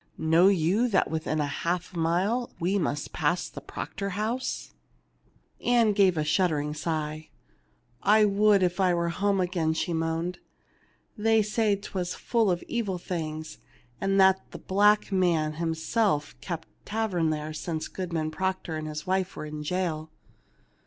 Know you that within a half mile we must pass the Proctor house ?" Ann gave a shuddering sigh. " I would I were home again !" she moaned. " They said 'twas full of evil things, and that the black man himself kept tavern there since Goodman Proctor and his wife were in jail.